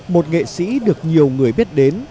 một nghệ sĩ được nhiều người biết đến